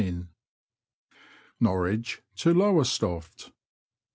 Norwich to Lowestoft.